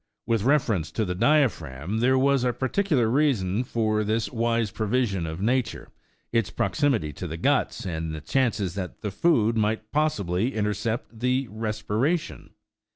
With re ference to the diaphragm, there was a peculiar reason for this wise provision of Nature, its proximity to the guts, and the chances that the food might possibly intercept the respiration.